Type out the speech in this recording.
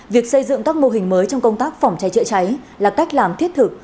việc xây dựng các mô hình mới trong công tác phòng cháy chữa cháy là cách làm thiết thực